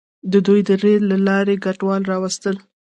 دوی د ریل له لارې کډوال راوستل.